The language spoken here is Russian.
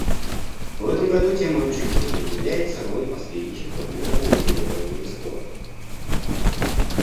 В этом году темой общих прений является «Роль посредничества в мирном урегулировании споров».